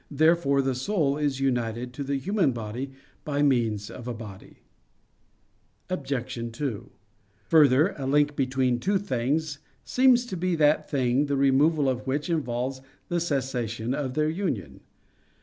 Therefore the soul is united to the human body by means of a body. Obj. 2: Further, a link between two things seems to be that thing the removal of which involves the cessation of their union.